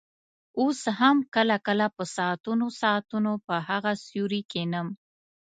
اوس هم کله کله په ساعتونو ساعتونو په هغه سوري کښېنم.